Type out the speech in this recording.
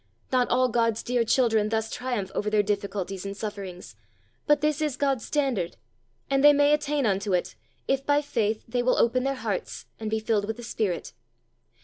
Not all God's dear children thus triumph over their difficulties and sufferings, but this is God's standard, and they may attain unto it, if, by faith, they will open their hearts and "be filled with the Spirit."